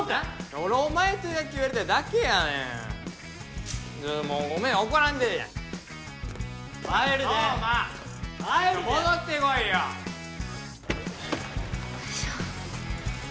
俺お前と野球やりたいだけやねんもうごめん怒らんでーや帰るで壮磨帰るでちょ戻ってこいよよいしょ